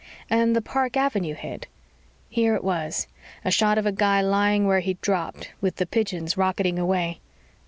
And the Park Avenue hit? Here it was, a shot of a guy lying where he'd dropped, with the pigeon's rocketing away.